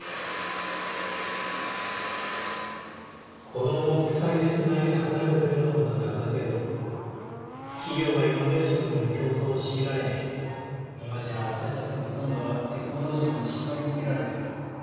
・子供を鎖でつないで働かせるようなことはなくなったけど企業はイノベーションによる競争を強いられ今じゃ私たちのほとんどはテクノロジーに縛りつけられている。